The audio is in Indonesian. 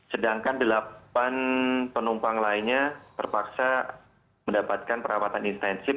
sedangkan delapan penumpang lainnya terpaksa mendapatkan perawatan intensif